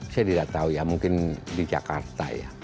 saya tidak tahu ya mungkin di jakarta ya